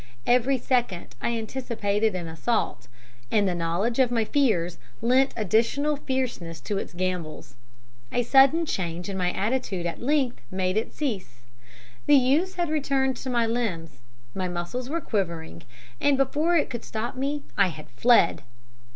Every second I anticipated an assault, and the knowledge of my fears lent additional fierceness to its gambols. A sudden change in my attitude at length made it cease. The use had returned to my limbs; my muscles were quivering, and before it could stop me I had fled!